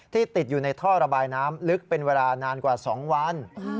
ติดอยู่ในท่อระบายน้ำลึกเป็นเวลานานกว่า๒วัน